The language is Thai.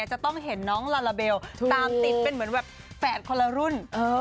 จะต้องเห็นน้องลาลาเบลตามติดเป็นเหมือนแบบแฝดคนละรุ่น